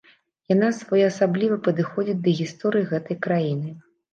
Яна своеасабліва падыходзіць да гісторыі гэтай краіны.